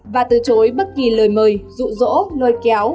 và từ chối bất kỳ lời mời rụ rỗ lôi kéo